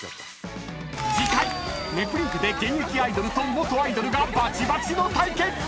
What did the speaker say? ［次回『ネプリーグ』で現役アイドルと元アイドルがバチバチの対決！］